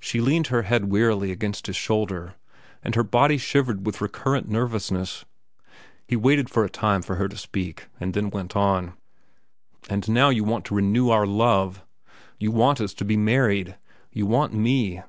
She leaned her head wearily against his shoulder, and her body shivered with recurrent nervousness. He waited for a time for her to speak, and then went on. "And now you want to renew our love. You want us to be married. You want me.